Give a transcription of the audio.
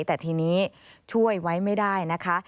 แต่ทีนี้ช่วยไว้ไม่ได้นะคะ